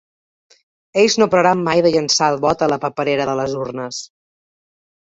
Ells no pararan mai de llençar el vot a la paperera de les urnes.